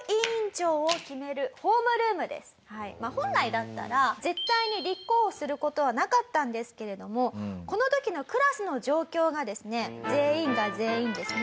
本来だったら絶対に立候補する事はなかったんですけれどもこの時のクラスの状況がですね全員が全員ですね